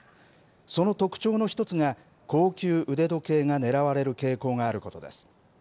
その特徴の一つが、高級腕時計が狙われる傾向があることです。